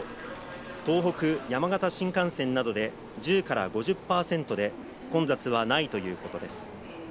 東北・山形新幹線などで１０から５０％で混雑はないということです。